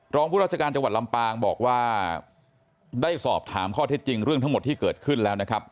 ผู้ราชการจังหวัดลำปางบอกว่าได้สอบถามข้อเท็จจริงเรื่องทั้งหมดที่เกิดขึ้นแล้วนะครับ